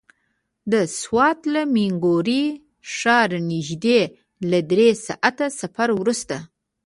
د سوات له مينګورې ښاره نژدې له دری ساعته سفر وروسته.